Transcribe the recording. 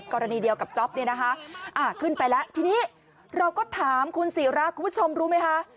กรณีเดียวกับจ๊อปเนี่ยนะคะขึ้นไปแล้วทีนี้เราก็ถามคุณศิราคุณผู้ชมรู้ไหมคะ